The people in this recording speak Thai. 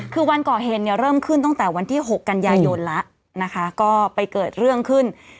คือวันก่อเหตุเนี่ยเริ่มขึ้นตั้งแต่วันที่๖กันยายนแล้วนะคะก็ไปเกิดเรื่องขึ้น